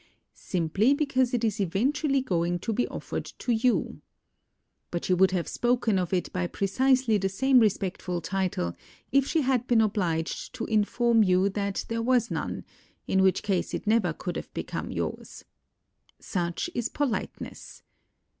Simply because it is even tually going to be offered to you. But she would have spoken of it by precisely the same respectful title, if she had been obliged to inform you that there was none, in which case it never could have become yours. Such is politeness.